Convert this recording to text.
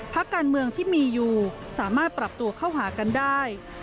พักการเมืองที่มีอยู่สามารถปรับตัวเข้าหากันได้